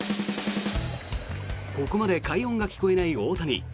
ここまで快音が聞こえない大谷。